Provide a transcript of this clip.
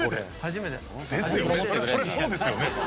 初めて？ですよね